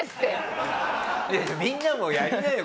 みんなもやりなよ